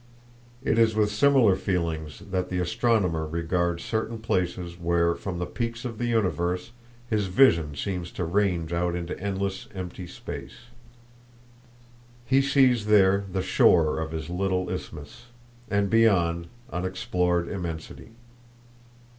It is with similar feelings that the astronomer regards certain places where from the peaks of the universe his vision seems to range out into endless empty space. He sees there the shore of his little isthmus, and, beyond, unexplored immensity.